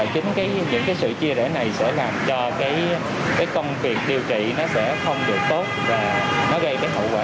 chính những sự chia rẽ này sẽ làm cho công việc điều trị sẽ không được tốt và gây hậu quả xấu cho sức khỏe của người dân